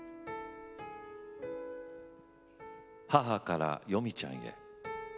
母からよみちゃんへ。